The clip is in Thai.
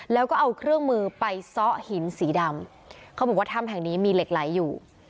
แล้วก็เอาเครื่องมือไปซ้อหินสีดำเขาบอกว่าถ้ำแห่งนี้มีเหล็กไหลอยู่